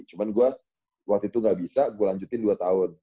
cuma gue waktu itu gak bisa gue lanjutin dua tahun